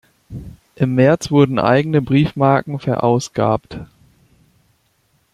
Im März wurden eigene Briefmarken verausgabt.